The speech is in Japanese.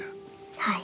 はい。